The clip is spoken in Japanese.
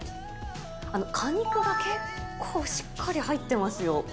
果肉が結構しっかり入ってますよ。